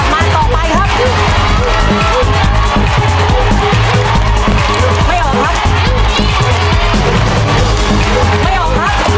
มันออกแล้วหนึ่งดอก